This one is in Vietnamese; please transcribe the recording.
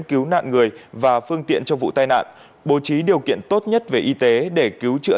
cứu nạn người và phương tiện trong vụ tai nạn bố trí điều kiện tốt nhất về y tế để cứu chữa